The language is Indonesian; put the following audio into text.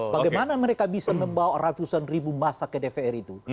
bagaimana mereka bisa membawa ratusan ribu masa ke dpr itu